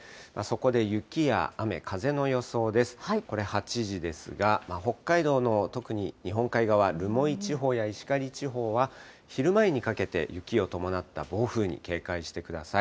これ、８時ですが、北海道の特に日本海側、留萌地方や石狩地方は昼前にかけて雪を伴った暴風に警戒してください。